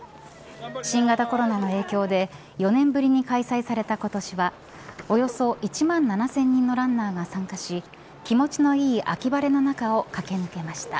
新型コロナの影響で４年ぶりに開催された今年はおよそ１万７０００人のランナーが参加し気持ちのいい秋晴れの中を駆け抜けました。